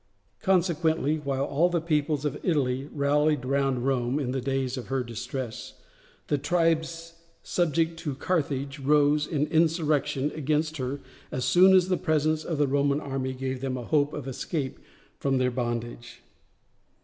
Consequently while all the peoples of Italy rallied round Rome in the days of her distress, the tribes subject to Carthage rose in insurrection against her as soon as the presence of a Roman army gave them a hope of escape from their bondage.